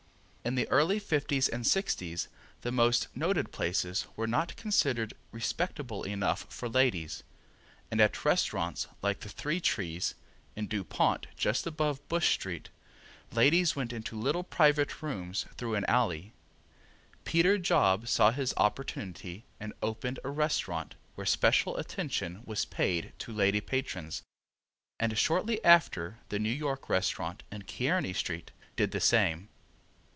In the early '50s and '60s the most noted places were not considered respectable enough for ladies, and at restaurants like the Three Trees, in Dupont just above Bush street, ladies went into little private rooms through an alley. Peter Job saw his opportunity and opened a restaurant where special attention was paid to lady patrons, and shortly after the New York restaurant, in Kearny street, did the same.